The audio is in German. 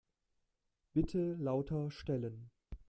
Bitte lauter stellen.